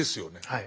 はい。